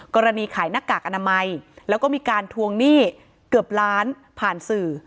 ขายหน้ากากอนามัยแล้วก็มีการทวงหนี้เกือบล้านผ่านสื่อ